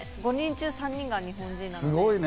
５人中３人が日本人。